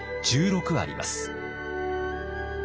１６あります。